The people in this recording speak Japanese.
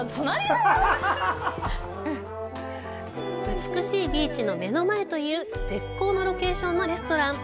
美しいビーチの目の前という絶好のロケーションのレストラン。